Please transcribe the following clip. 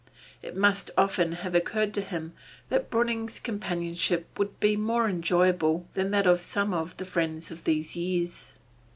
It must often have occurred to him that Breuning's companionship would be more enjoyable than that of some of the friends of these years.